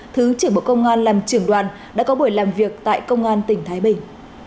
thứ trưởng bộ công an làm trưởng đoàn đã có buổi làm việc tại công an tỉnh thái bình